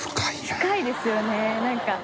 深いですよねなんか。